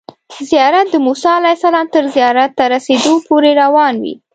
زیارت د موسی علیه السلام تر زیارت ته رسیدو پورې روان وي.